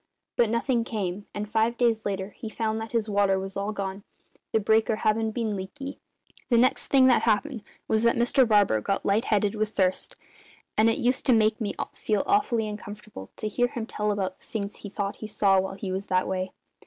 But nothing came, and five days later he found that his water was all gone, the breaker havin' been leaky. The next thing that happened was that Mr Barker got light headed with thirst; and it used to make me feel awfully uncomfortable to hear him tell about the things he thought he saw while he was that way.